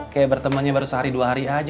kayak bertemannya baru sehari dua hari aja